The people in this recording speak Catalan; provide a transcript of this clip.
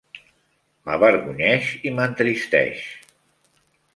M'avergonyeix i m'entristeix.